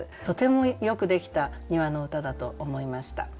とてもよくできた庭の歌だと思いました。